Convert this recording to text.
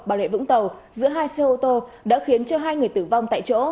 bảo lệ vũng tàu giữa hai xe ô tô đã khiến cho hai người tử vong tại chỗ